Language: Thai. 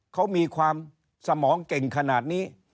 เขามีความสมองเก่งขนาดนี้